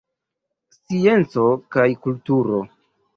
Scienco kaj kulturo.